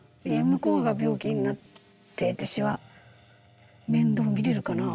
向こうが病気になって私は面倒見れるかなっていう。